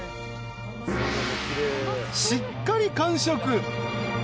［しっかり完食］